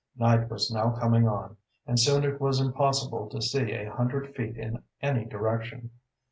Night was now coming on, and soon it was impossible to see a hundred feet in any direction.